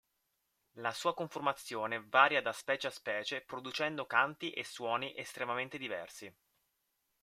La sua conformazione varia da specie a specie producendo canti e suoni estremamente diversi.